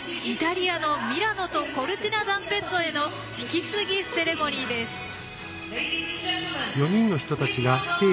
イタリアのミラノとコルティナダンペッツォへの引き継ぎセレモニーです。